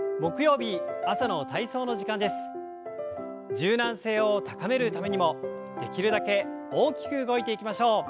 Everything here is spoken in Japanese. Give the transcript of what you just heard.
柔軟性を高めるためにもできるだけ大きく動いていきましょう。